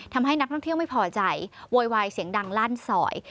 ทำให้นักท่องเที่ยวไม่พอใจโวยวายเสียงดังลั่นซอย